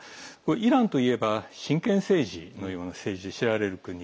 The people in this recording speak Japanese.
イランといえば神権政治のような政治で知られる国。